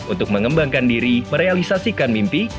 untuk mengembangkan diri merealisasikan mimpi